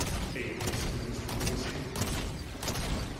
Hey, hast du meine Slipper gesehen?